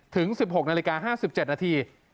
ถึง๑๖นาฬิกา๕๗นาที